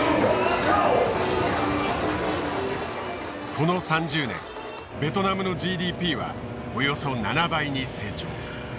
この３０年ベトナムのＧＤＰはおよそ７倍に成長。